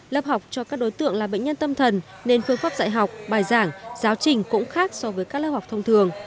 lớp học cho các đối tượng là bệnh nhân tâm thần nên phương pháp dạy học bài giảng giáo trình cũng khác so với các lớp học thông thường